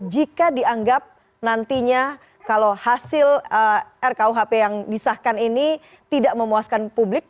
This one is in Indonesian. jika dianggap nantinya kalau hasil rkuhp yang disahkan ini tidak memuaskan publik